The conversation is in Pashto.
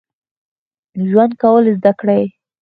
ژوند کول زده کړئ